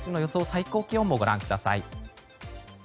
最高気温もご覧ください。